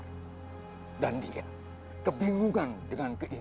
tidak ada bahaya yang sangat besar